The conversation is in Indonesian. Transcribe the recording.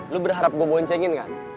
lu berharap gue boncengin kan